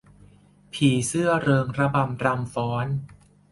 ผีเสื้อเริงระบำรำฟ้อน